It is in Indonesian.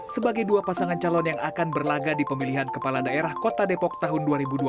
sebagai dua pasangan calon yang akan berlaga di pemilihan kepala daerah kota depok tahun dua ribu dua puluh